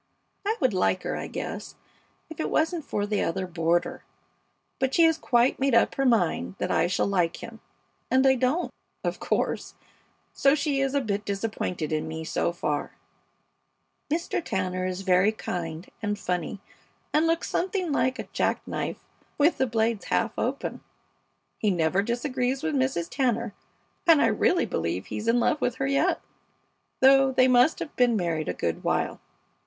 I would like her, I guess, if it wasn't for the other boarder; but she has quite made up her mind that I shall like him, and I don't, of course, so she is a bit disappointed in me so far. Mr. Tanner is very kind and funny, and looks something like a jack knife with the blades half open. He never disagrees with Mrs. Tanner, and I really believe he's in love with her yet, though they must have been married a good while.